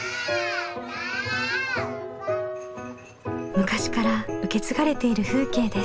昔から受け継がれている風景です。